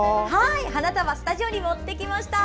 花束、スタジオに持って来ました！